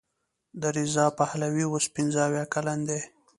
رضا پهلوي اوس پنځه اویا کلن دی.